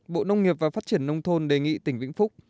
bộ nông nghiệp và phát triển nông thôn đề nghị tỉnh vĩnh phúc